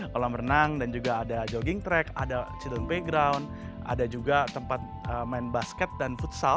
kolam renang dan juga ada jogging track ada chidle background ada juga tempat main basket dan futsal